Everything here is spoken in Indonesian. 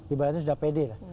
ibaratnya sudah pede